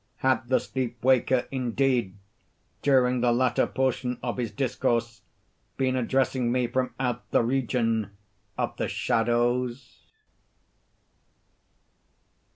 Had the sleep waker, indeed, during the latter portion of his discourse, been addressing me from out the region of the shadows?